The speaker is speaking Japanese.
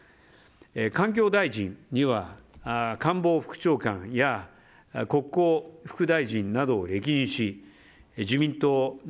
環境大臣には官房副長官や国交副大臣などを歴任し自民党